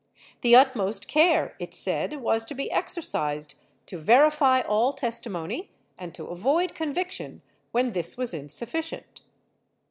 The utmost care, it said, was to be exercised to verify all testimony and to avoid conviction when this was insufficient.